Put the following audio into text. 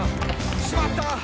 「しまった！